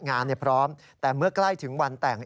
งานเนี่ยพร้อมแต่เมื่อกล้ายถึงวันแต่ง